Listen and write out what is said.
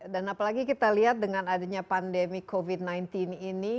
dan apalagi kita lihat dengan adanya pandemi covid sembilan belas ini